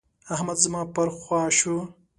احمد زما پر خوا شو.